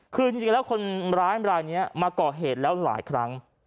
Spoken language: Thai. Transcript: คือจริงแล้วคนร้ายเอ่มลายเงี่ยมาเกาะเหตุแล้วหลายครั้ง